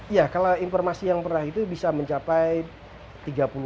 ya kalau informasi yang pernah itu bisa mencapai tiga puluh